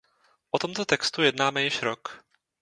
O tomto textu jednáme již rok.